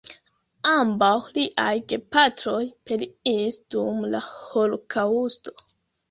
Ambaŭ liaj gepatroj pereis dum la Holokaŭsto.